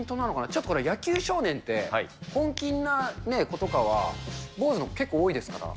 ちょっとこれ、野球少年って、本気な子とかは、坊主の子、結構多いですから。